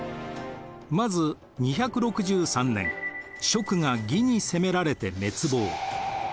まず２６３年蜀が魏に攻められて滅亡。